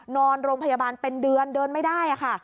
นอนโรงพยาบาลเป็นเดือนเดินไม่ได้ค่ะ